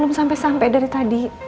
belum sampai sampai dari tadi